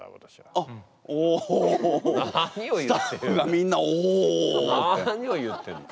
何を言ってんの。